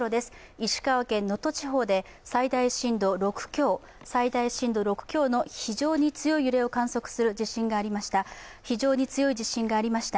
石川県能登地方で最大震度６強の非常に強い揺れを観測する地震がありました。